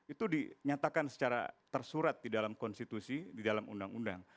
itu dinyatakan secara tersurat di dalam konstitusi di dalam undang undang